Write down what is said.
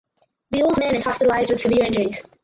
The old man is hospitalized with severe injuries.